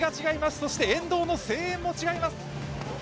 そして沿道の声援も違います。